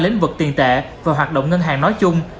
lĩnh vực tiền tệ và hoạt động ngân hàng nói chung